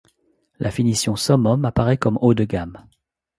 La finition Summum apparaît comme haut de gamme.